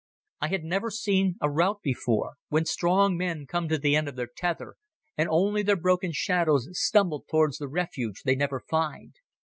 I had never seen a rout before, when strong men come to the end of their tether and only their broken shadows stumble towards the refuge they never find.